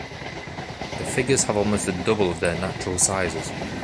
The figures have almost the double of their natural sizes.